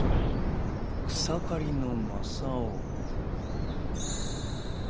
草刈の正雄？